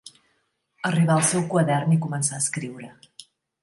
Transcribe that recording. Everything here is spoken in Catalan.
Arribar al seu quadern i començar a escriure.